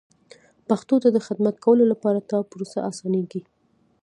پښتو ته د خدمت کولو لپاره دا پروسه اسانېږي.